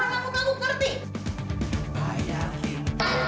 kamu sampe semuanya ngerti